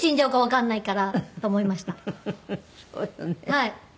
はい。